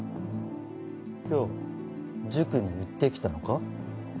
今日塾に行って来たのか？